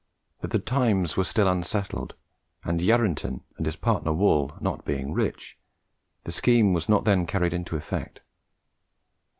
But the times were still unsettled, and Yarranton and his partner Wall not being rich, the scheme was not then carried into effect.